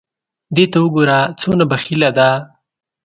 دې ته وګوره څونه بخیله ده !